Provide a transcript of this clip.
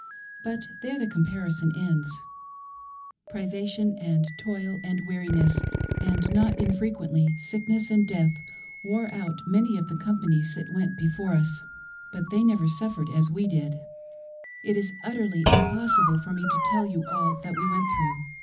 But there the comparison ends. Privation, THE JOURNEY ACROSS THE PLAINS. 207 and toil, and weariness, and not infrequently sickness and death, wore out many of the companies that went before us, but they never suffered as we did. It is utterly impossible for me to tell you all that we went through.